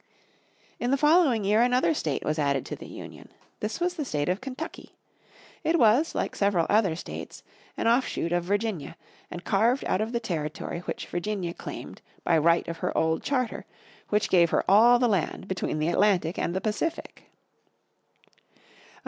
In the following year another state was added to the Union. This was the State of Kentucky. It was, like several other states, an offshoot of Virginia, and carved out of the territory which Virginia claimed by right of her old charter which gave her all the land between the Atlantic and the Pacific.